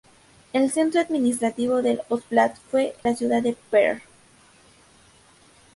El centro administrativo del óblast fue la ciudad de Perm.